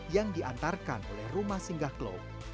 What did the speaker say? yang diantarkan oleh rumah singgah klo